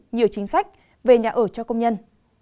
nhiều chính sách về nhà ở cho công nhân